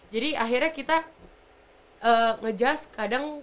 jadi akhirnya kita nge just kadang